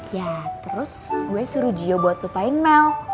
ya terus gue suruh jio buat lupain mel